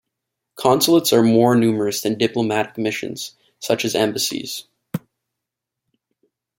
Consulates are more numerous than diplomatic missions, such as embassies.